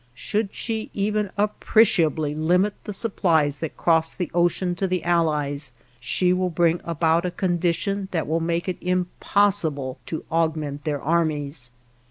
Should she even appreciably limit the supplies that cross the ocean to the Allies, she will bring about a condition that will make it impossible to augment their armies.